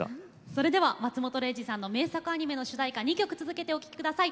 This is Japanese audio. それでは松本零士さんの名作アニメの主題歌２曲続けてお聴き下さい。